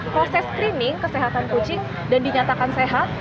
proses screening kesehatan kucing dan dinyatakan sehat